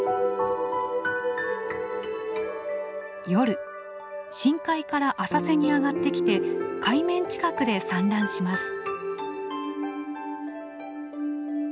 夜深海から浅瀬に上がってきて海面近くで産卵します。